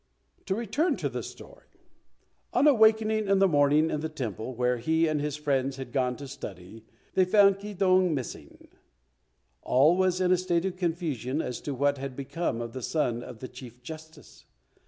To return in the story: On awaking in the morning in the temple where he and his friends had gone to study, they found Keydong missing. All was in a state of confusion as to what had become of the son of the Chief Justice.